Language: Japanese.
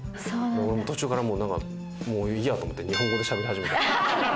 途中からもういいやと思って、日本語でしゃべり始めた。